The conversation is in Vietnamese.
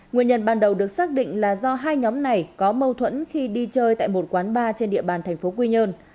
nguyên nhân ban đầu được xác định là do hai nhóm này có mâu thuẫn khi đi chơi tại một quán bar trên địa bàn thành phố quy nhơn